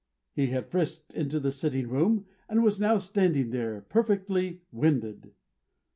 He had frisked into the sitting room, and was now standing there: perfectly winded.